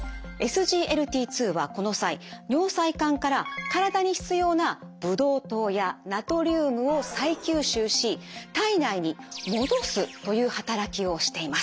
ＳＧＬＴ２はこの際尿細管から体に必要なブドウ糖やナトリウムを再吸収し体内に戻すという働きをしています。